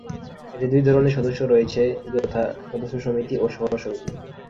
এতে দুই ধরনের সদস্য রয়েছে, যথা: সদস্য সমিতি ও শহর সমিতি।